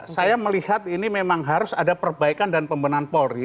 saya melihat ini memang harus ada perbaikan dan pembenahan polri